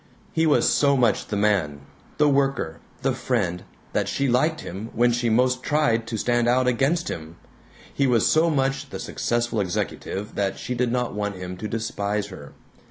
He was so much the man, the worker, the friend, that she liked him when she most tried to stand out against him; he was so much the successful executive that she did not want him to despise her.